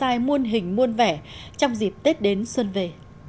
bài muôn hình muôn vẻ trong dịp tết đến xuân về